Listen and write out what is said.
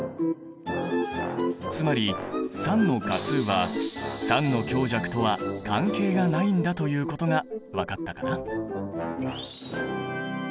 つまり酸の価数は酸の強弱とは関係がないんだということが分かったかな？